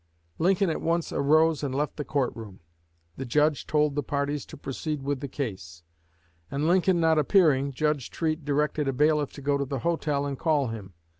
Lincoln at once arose and left the court room. The Judge told the parties to proceed with the case; and Lincoln not appearing, Judge Treat directed a bailiff to go to the hotel and call him.